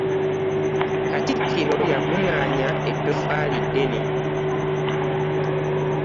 Katikiro yakuŋŋaanya ettofaali eddene.